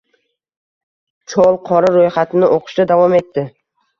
Chol Qora ro`yxatini o`qishda davom etdi